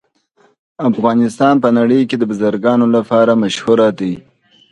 افغانستان په نړۍ کې د بزګانو لپاره مشهور دی.